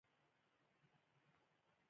لیکوال د اروايي ارتقا مفکوره وړاندې کوي.